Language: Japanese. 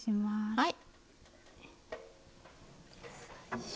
はい。